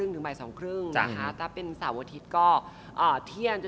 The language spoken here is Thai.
เหมือนศิลปินเลย